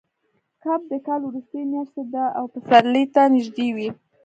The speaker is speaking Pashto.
کب د کال وروستۍ میاشت ده او پسرلي ته نږدې وي.